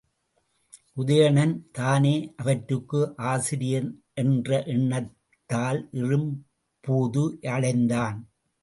உதயணன் தானே அவற்றுக்கு ஆசிரியனென்ற எண்ணத்தால் இறும்பூது அடைந்தான்.